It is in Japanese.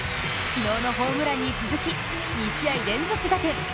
昨日のホームランに続き２試合連続打点。